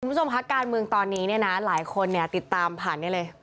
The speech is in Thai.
คุณผู้ชมภาครการมืองตอนนี้นะหลายคนติดตามผ่านเอาเลย